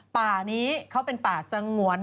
ป่านี้เขาเป็นป่าสงวน